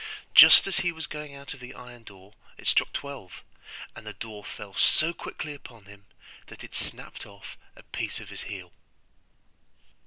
Just as he was going out of the iron door it struck twelve, and the door fell so quickly upon him that it snapped off a piece of his heel.